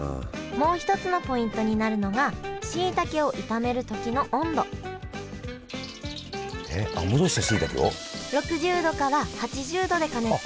もう一つのポイントになるのがしいたけを炒める時の温度えっ戻したしいたけを？